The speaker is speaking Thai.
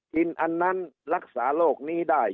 กินอันนั้นรักษาโลกนี้ได้